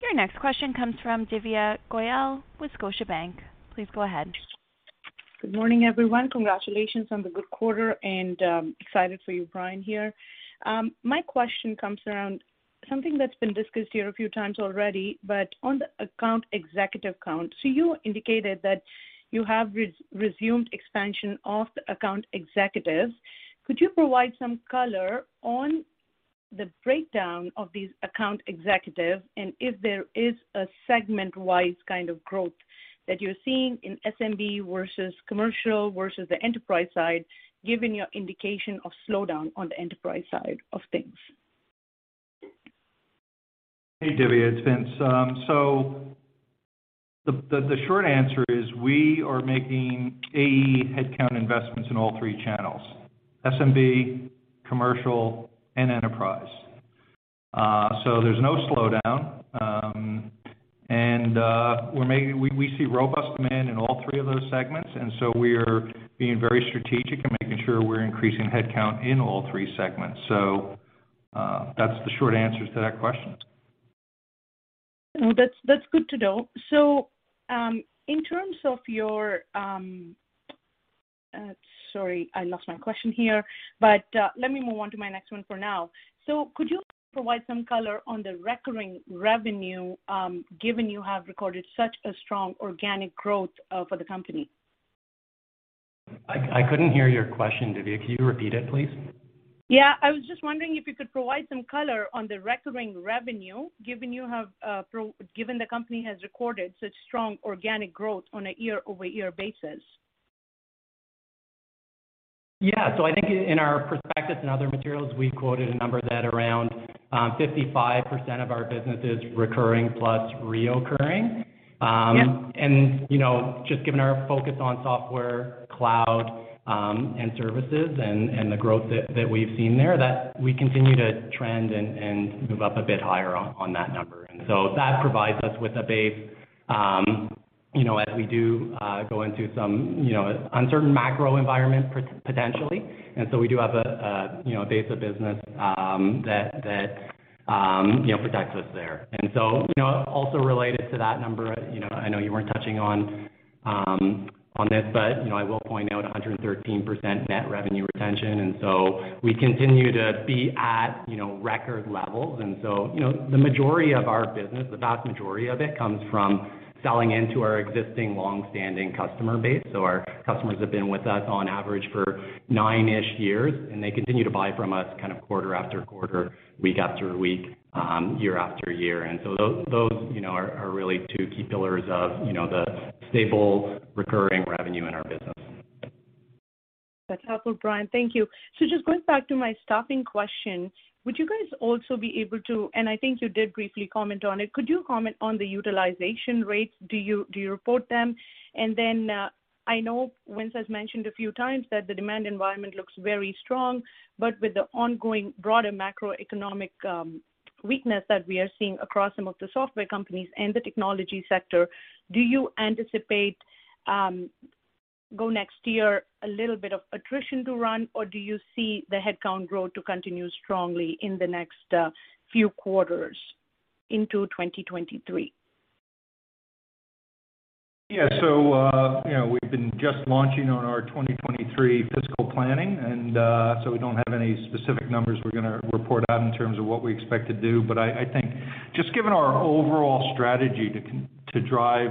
Your next question comes from Divya Goyal with Scotiabank. Please go ahead. Good morning, everyone. Congratulations on the good quarter and excited for you, Bryan, here. My question comes around something that's been discussed here a few times already, but on the account executive count. You indicated that you have resumed expansion of the account executives. Could you provide some color on the breakdown of these account executives and if there is a segment-wide kind of growth that you're seeing in SMB versus commercial versus the enterprise side, given your indication of slowdown on the enterprise side of things? Hey, Divya Goyal, it's Vince. The short answer is we are making AE headcount investments in all three channels, SMB, commercial, and enterprise. We see robust demand in all three of those segments, and so we are being very strategic in making sure we're increasing headcount in all three segments. That's the short answer to that question. No, that's good to know. Sorry, I lost my question here, but let me move on to my next one for now. Could you provide some color on the recurring revenue, given you have recorded such a strong organic growth for the company? I couldn't hear your question, Divya. Could you repeat it, please? Yeah. I was just wondering if you could provide some color on the recurring revenue, given the company has recorded such strong organic growth on a year-over-year basis. I think in our prospectus and other materials, we quoted a number that's around 55% of our business is recurring plus recurring. Yeah. You know, just given our focus on software, cloud, and services and the growth that we've seen there, that we continue to trend and move up a bit higher on that number. That provides us with a base, you know, as we do go into some you know, uncertain macro environment potentially. We do have a you know, a base of business that you know, protects us there. You know, also related to that number, you know, I know you weren't touching on this, but, you know, I will point out 113% net revenue retention, and so we continue to be at, you know, record levels. You know, the majority of our business, the vast majority of it comes from selling into our existing long-standing customer base. Our customers have been with us on average for nine-ish years, and they continue to buy from us kind of quarter- after-quarter, week-after-week, year-after-year. Those, you know, are really two key pillars of, you know, the stable recurring revenue in our business. That's helpful, Bryan. Thank you. Just going back to my staffing question, would you guys also be able to, and I think you did briefly comment on it, could you comment on the utilization rates? Do you report them? I know Vince has mentioned a few times that the demand environment looks very strong, but with the ongoing broader macroeconomic weakness that we are seeing across some of the software companies and the technology sector, do you anticipate for next year a little bit of attrition to run, or do you see the headcount growth to continue strongly in the next few quarters into 2023? Yeah. You know, we've been just launching on our 2023 fiscal planning and, so we don't have any specific numbers we're gonna report out in terms of what we expect to do. But I think just given our overall strategy to drive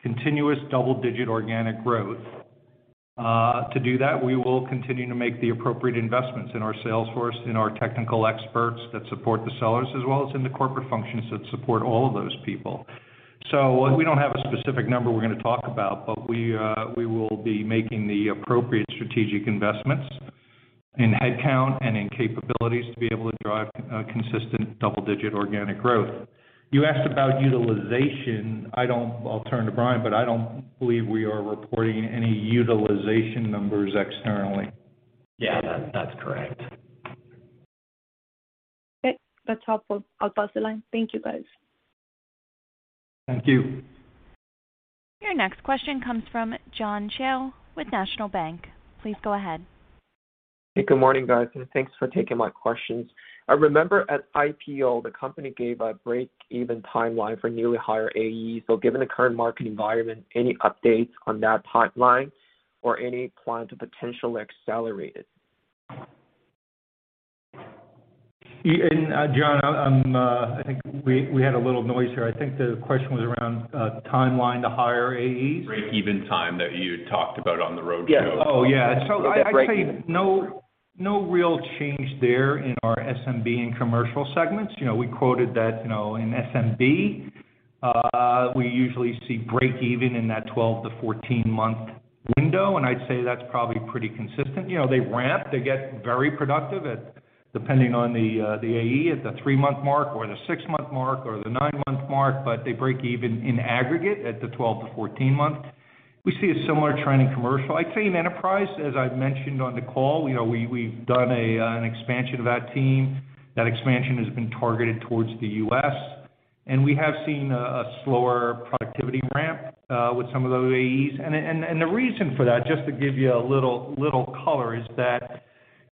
continuous double-digit organic growth, to do that, we will continue to make the appropriate investments in our sales force, in our technical experts that support the sellers, as well as in the corporate functions that support all of those people. We don't have a specific number we're gonna talk about, but we will be making the appropriate strategic investments in headcount and in capabilities to be able to drive consistent double-digit organic growth. You asked about utilization. I don't. I'll turn to Bryan, but I don't believe we are reporting any utilization numbers externally. Yeah, that's correct. Okay. That's helpful. I'll pass the line. Thank you, guys. Thank you. Your next question comes from John Cheung with National Bank. Please go ahead. Hey, good morning, guys, and thanks for taking my questions. I remember at IPO, the company gave a break-even timeline for newly hired AEs. Given the current market environment, any updates on that timeline or any plan to potentially accelerate it? Yeah. John, I think we had a little noise here. I think the question was around timeline to hire AEs. Break-even time that you talked about on the roadshow? Yes. Oh, yeah. I'd say no real change there in our SMB and commercial segments. You know, we quoted that, you know, in SMB, we usually see break even in that 12-14-month window, and I'd say that's probably pretty consistent. You know, they ramp, they get very productive at, depending on the AE at the 3-month mark or the 6-month mark or the 9-month mark, but they break even in aggregate at the 12-14 month. We see a similar trend in commercial. I'd say in enterprise, as I've mentioned on the call, you know, we've done a, an expansion of that team. That expansion has been targeted towards the U.S., and we have seen a slower productivity ramp, with some of those AEs. The reason for that, just to give you a little color, is that.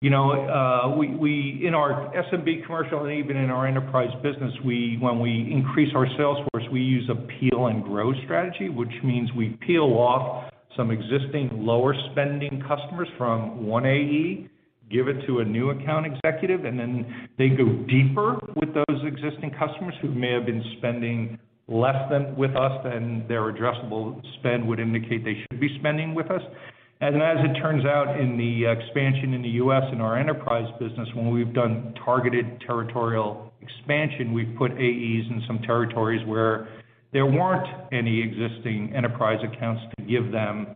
You know, in our SMB commercial and even in our enterprise business, when we increase our sales force, we use a peel and grow strategy, which means we peel off some existing lower spending customers from one AE, give it to a new account executive, and then they go deeper with those existing customers who may have been spending less than with us than their addressable spend would indicate they should be spending with us. As it turns out, in the expansion in the US and our enterprise business, when we've done targeted territorial expansion, we've put AEs in some territories where there weren't any existing enterprise accounts to give them.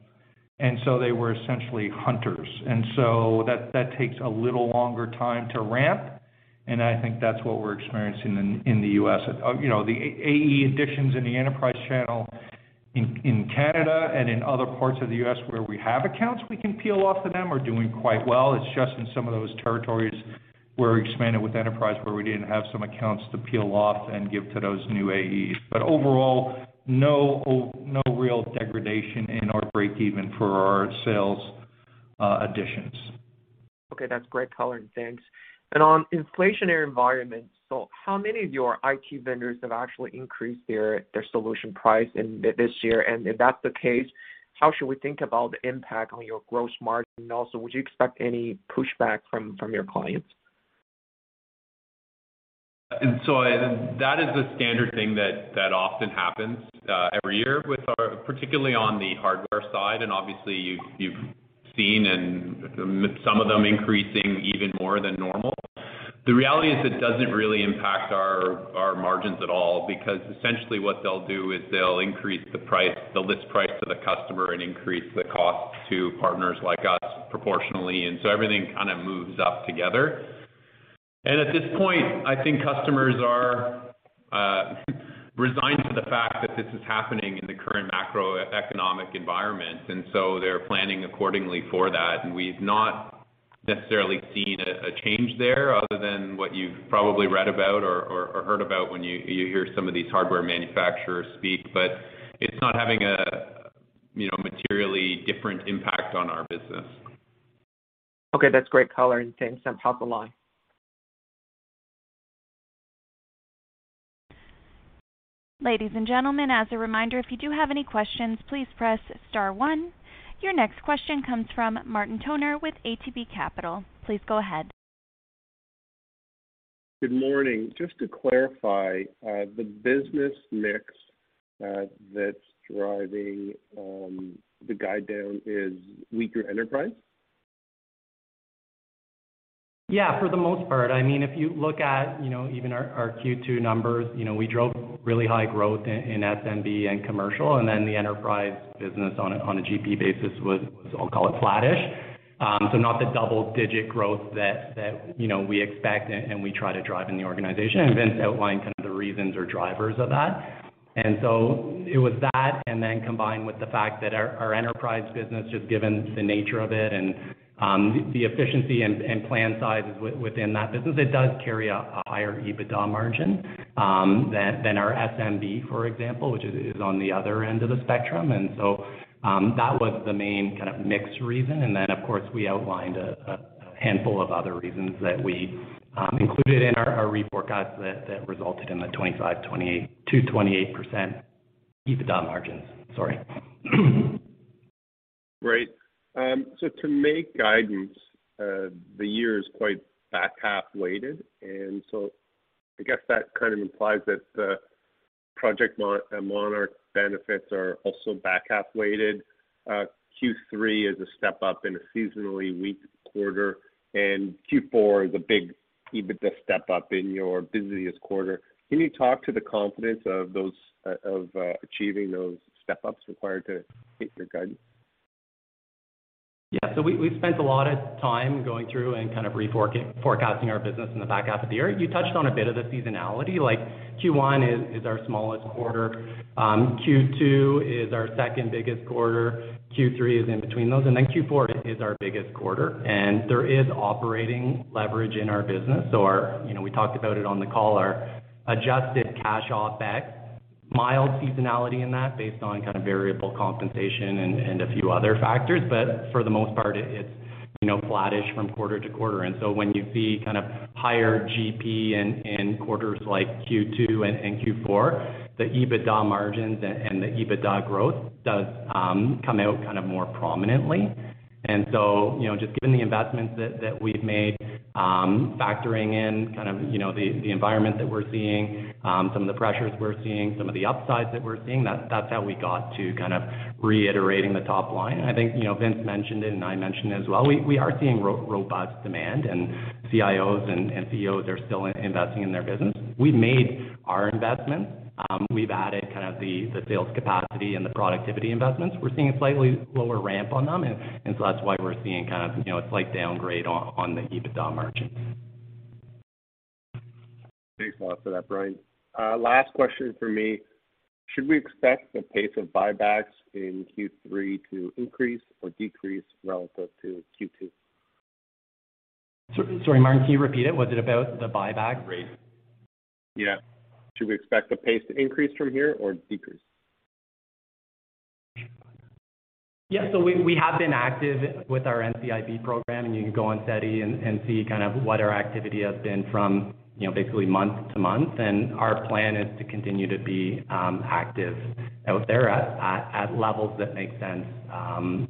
They were essentially hunters. That takes a little longer time to ramp, and I think that's what we're experiencing in the US. You know, the AE additions in the enterprise channel in Canada and in other parts of the U.S. where we have accounts we can peel off to them, are doing quite well. It's just in some of those territories where we expanded with enterprise, where we didn't have some accounts to peel off and give to those new AEs. Overall, no real degradation in our break even for our sales additions. Okay, that's great color. Thanks. On inflationary environment, so how many of your IT vendors have actually increased their solution price in this year? If that's the case, how should we think about the impact on your gross margin? Also, would you expect any pushback from your clients? That is a standard thing that often happens every year with our particularly on the hardware side. Obviously, you've seen and some of them increasing even more than normal. The reality is it doesn't really impact our margins at all, because essentially what they'll do is they'll increase the price, the list price to the customer and increase the cost to partners like us proportionally, and so everything kind of moves up together. At this point, I think customers are resigned to the fact that this is happening in the current macroeconomic environment, and so they're planning accordingly for that. We've not necessarily seen a change there other than what you've probably read about or heard about when you hear some of these hardware manufacturers speak. It's not having a, you know, materially different impact on our business. Okay, that's great color and thanks. Top of the line. Ladies and gentlemen, as a reminder, if you do have any questions, please press star one. Your next question comes from Martin Toner with ATB Capital. Please go ahead. Good morning. Just to clarify, the business mix, that's driving the guide down is weaker enterprise. Yeah, for the most part. I mean, if you look at, you know, even our Q2 numbers, you know, we drove really high growth in SMB and commercial, and then the enterprise business on a GP basis was, I'll call it flattish. Not the double-digit growth that you know, we expect and we try to drive in the organization. Vince outlined kind of the reasons or drivers of that. It was that, and then combined with the fact that our enterprise business, just given the nature of it and the efficiency and plan sizes within that business, it does carry a higher EBITDA margin than our SMB, for example, which is on the other end of the spectrum. That was the main kind of mix reason. Of course, we outlined a handful of other reasons that we included in our reforecast that resulted in the 28% EBITDA margins. Sorry. Great. To meet guidance, the year is quite back half weighted. I guess that kind of implies that the Project Monarch benefits are also back half weighted. Q3 is a step up in a seasonally weak quarter, and Q4 is a big EBITDA step up in your busiest quarter. Can you talk to the confidence in achieving those step ups required to hit your guidance? Yeah. We've spent a lot of time going through and kind of forecasting our business in the back half of the year. You touched on a bit of the seasonality, like Q1 is our smallest quarter. Q2 is our second biggest quarter. Q3 is in between those, and then Q4 is our biggest quarter. There is operating leverage in our business. You know, we talked about it on the call, our adjusted cash OpEx, mild seasonality in that based on kind of variable compensation and a few other factors. But for the most part, it's, you know, flattish from quarter to quarter. When you see kind of higher GP in quarters like Q2 and Q4, the EBITDA margins and the EBITDA growth does come out kind of more prominently. You know, just given the investments that we've made, factoring in kind of, you know, the environment that we're seeing, some of the pressures we're seeing, some of the upsides that we're seeing, that's how we got to kind of reiterating the top line. I think, you know, Vince mentioned it and I mentioned it as well, we are seeing robust demand and CIOs and CEOs are still investing in their business. We've made our investments. We've added kind of the sales capacity and the productivity investments. We're seeing a slightly lower ramp on them and so that's why we're seeing kind of, you know, a slight downgrade on the EBITDA margins. Thanks a lot for that, Bryan. Last question from me. Should we expect the pace of buybacks in Q3 to increase or decrease relative to Q2? Sorry, Martin, can you repeat it? Was it about the buyback? Yeah. Should we expect the pace to increase from here or decrease? Yeah. We have been active with our NCIB program, and you can go on SEDI and see kind of what our activity has been from, you know, basically month to month. Our plan is to continue to be active out there at levels that make sense,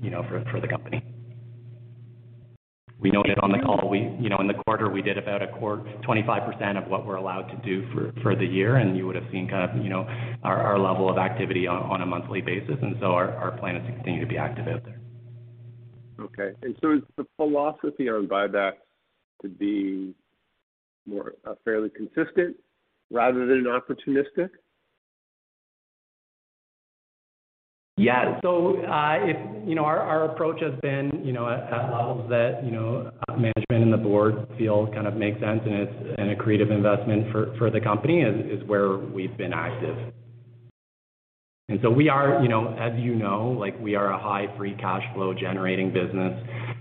you know, for the company. We noted on the call, you know, in the quarter, we did about 25% of what we're allowed to do for the year, and you would have seen kind of, you know, our level of activity on a monthly basis. Our plan is to continue to be active out there. Okay. Is the philosophy on buyback to be more fairly consistent rather than opportunistic? Yeah. If you know our approach has been you know at levels that you know management and the board feel kind of make sense, and it's an accretive investment for the company is where we've been active. We are you know as you know like we are a high free cash flow generating business.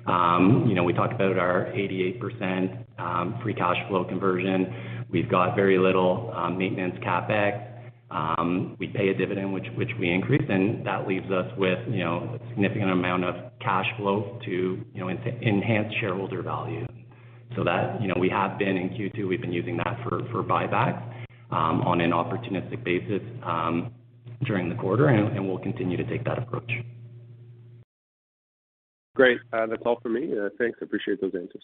You know we talked about our 88% free cash flow conversion. We've got very little maintenance CapEx. We pay a dividend, which we increase, and that leaves us with you know a significant amount of cash flow to you know enhance shareholder value. You know we have been in Q2 we've been using that for buyback on an opportunistic basis during the quarter and we'll continue to take that approach. Great. That's all for me. Thanks. I appreciate those answers.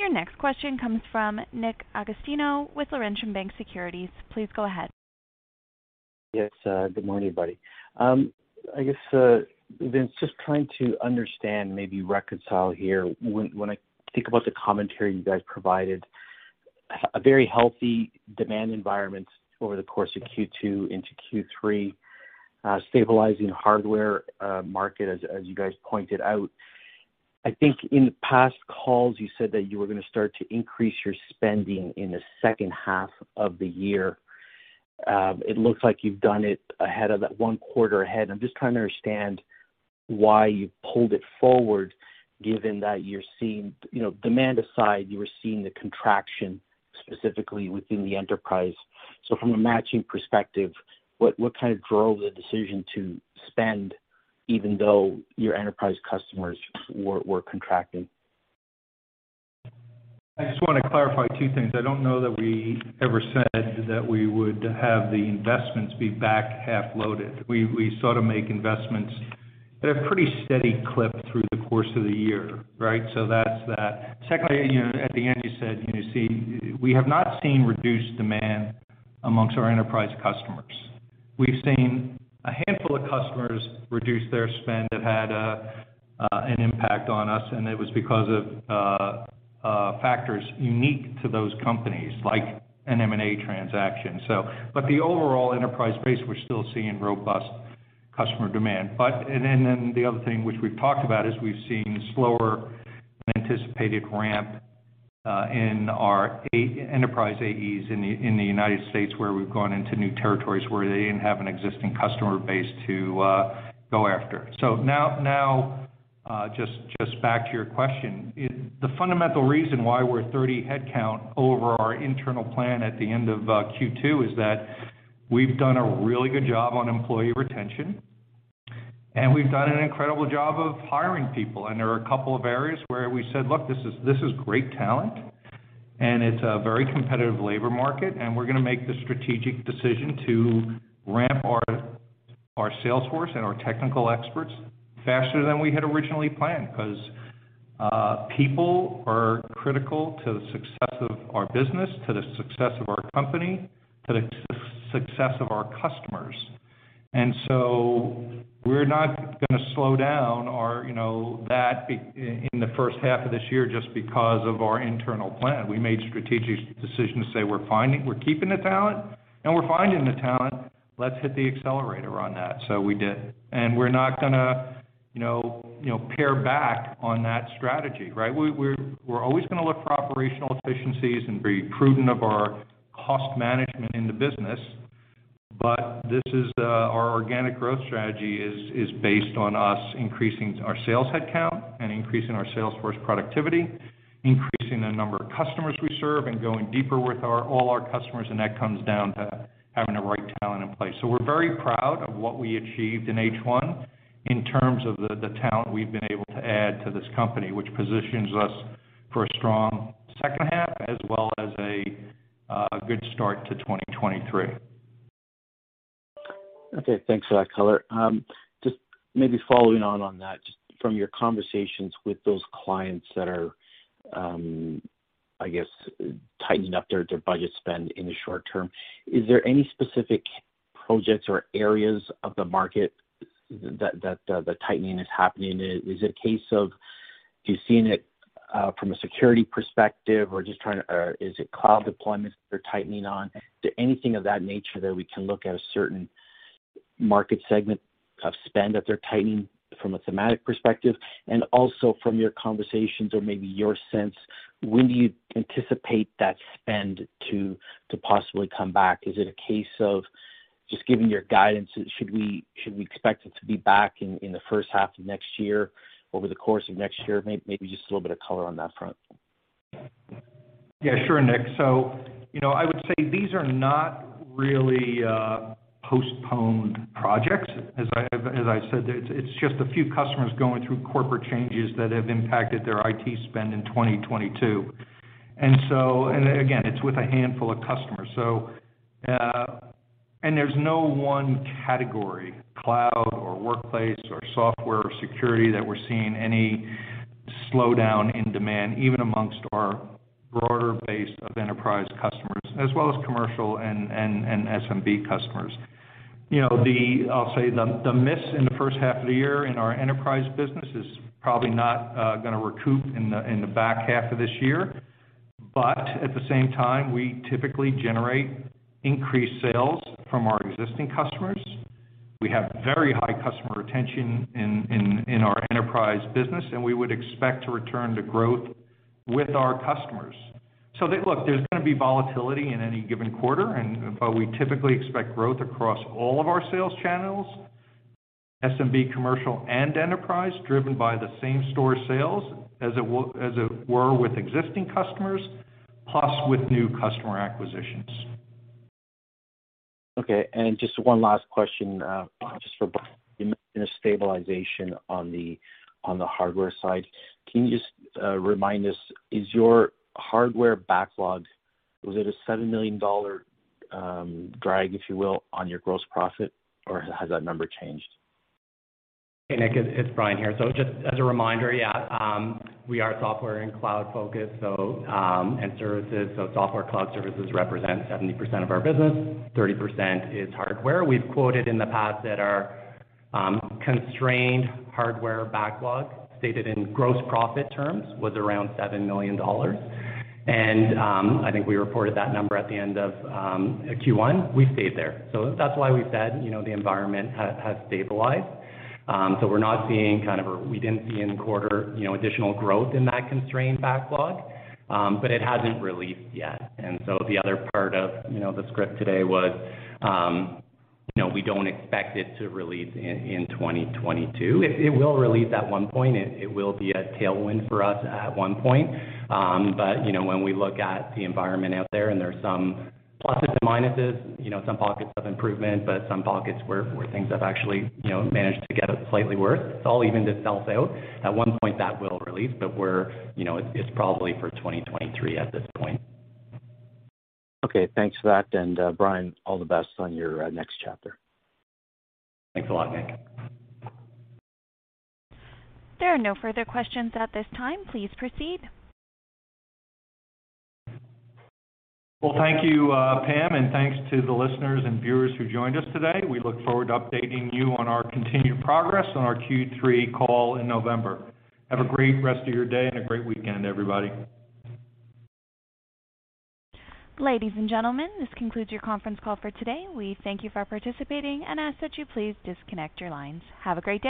Your next question comes from Nick Agostino with Laurentian Bank Securities. Please go ahead. Yes, good morning, everybody. I guess, Vince, just trying to understand, maybe reconcile here when I think about the commentary you guys provided, a very healthy demand environment over the course of Q2 into Q3, stabilizing hardware market, as you guys pointed out. I think in past calls you said that you were gonna start to increase your spending in the second half of the year. It looks like you've done it ahead of that one quarter ahead. I'm just trying to understand why you pulled it forward given that you're seeing. You know, demand aside, you were seeing the contraction specifically within the enterprise. From a matching perspective, what kind of drove the decision to spend even though your enterprise customers were contracting? I just wanna clarify two things. I don't know that we ever said that we would have the investments be back half loaded. We sort of make investments at a pretty steady clip through the course of the year, right? That's that. Secondly, you know, at the end you said, you know, we have not seen reduced demand amongst our enterprise customers. We've seen a handful of customers reduce their spend that had an impact on us, and it was because of factors unique to those companies, like an M&A transaction. But the overall enterprise base, we're still seeing robust customer demand. The other thing which we've talked about is we've seen slower than anticipated ramp in our enterprise AEs in the United States, where we've gone into new territories where they didn't have an existing customer base to go after. Back to your question. The fundamental reason why we're 30 headcount over our internal plan at the end of Q2 is that we've done a really good job on employee retention, and we've done an incredible job of hiring people. There are a couple of areas where we said, "Look, this is great talent, and it's a very competitive labor market, and we're gonna make the strategic decision to ramp our sales force and our technical experts faster than we had originally planned." 'Cause, people are critical to the success of our business, to the success of our company, to the success of our customers. We're not gonna slow down our, you know, in the first half of this year just because of our internal plan. We made strategic decisions to say we're keeping the talent, and we're finding the talent. Let's hit the accelerator on that. We did. We're not gonna, you know, pare back on that strategy, right? We're always gonna look for operational efficiencies and be prudent of our cost management in the business. This is our organic growth strategy is based on us increasing our sales headcount and increasing our sales force productivity, increasing the number of customers we serve, and going deeper with all our customers, and that comes down to having the right talent in place. We're very proud of what we achieved in H1 in terms of the talent we've been able to add to this company, which positions us for a strong second half as well as a good start to 2023. Okay, thanks for that color. Just maybe following on that, just from your conversations with those clients that are, I guess, tightening up their budget spend in the short term, is there any specific projects or areas of the market that the tightening is happening? Is it a case of you're seeing it from a security perspective or is it cloud deployments they're tightening on? Is there anything of that nature that we can look at a certain market segment of spend that they're tightening from a thematic perspective? Also from your conversations or maybe your sense, when do you anticipate that spend to possibly come back? Is it a case of just giving your guidance, should we expect it to be back in the first half of next year, over the course of next year? Maybe just a little bit of color on that front. Yeah, sure, Nick. You know, I would say these are not really postponed projects. As I said, it's just a few customers going through corporate changes that have impacted their IT spend in 2022. Again, it's with a handful of customers. There's no one category, cloud or workplace or software or security, that we're seeing any slowdown in demand, even among our broader base of enterprise customers, as well as commercial and SMB customers. You know, the miss in the first half of the year in our enterprise business is probably not gonna recoup in the back half of this year. At the same time, we typically generate increased sales from our existing customers. We have very high customer retention in our enterprise business, and we would expect to return to growth with our customers. Look, there's gonna be volatility in any given quarter, but we typically expect growth across all of our sales channels, SMB, commercial, and enterprise, driven by the same-store sales as it were with existing customers, plus with new customer acquisitions. Okay. Just one last question, just for Bryan. You mentioned a stabilization on the hardware side. Can you just remind us, was your hardware backlog a $7 million drag, if you will, on your gross profit, or has that number changed? Hey, Nick, it's Bryan here. Just as a reminder, yeah, we are software and cloud-focused, and services. Software cloud services represent 70% of our business, 30% is hardware. We've quoted in the past that our constrained hardware backlog, stated in gross profit terms, was around $7 million. I think we reported that number at the end of Q1. We've stayed there. That's why we said, you know, the environment has stabilized. We're not seeing. We didn't see in the quarter, you know, additional growth in that constrained backlog, but it hasn't released yet. The other part of, you know, the script today was, you know, we don't expect it to release in 2022. It will release at one point. It will be a tailwind for us at one point. You know, when we look at the environment out there, and there are some pluses and minuses, you know, some pockets of improvement, but some pockets where things have actually, you know, managed to get slightly worse, it's all evened itself out. At one point, that will release, but we're, you know, it's probably for 2023 at this point. Okay, thanks for that. Bryan, all the best on your next chapter. Thanks a lot, Nick. There are no further questions at this time. Please proceed. Well, thank you, Pam, and thanks to the listeners and viewers who joined us today. We look forward to updating you on our continued progress on our Q3 call in November. Have a great rest of your day and a great weekend, everybody. Ladies and gentlemen, this concludes your conference call for today. We thank you for participating and ask that you please disconnect your lines. Have a great day.